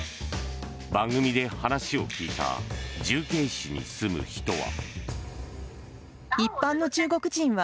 番組で話を聞いた重慶市に住む人は。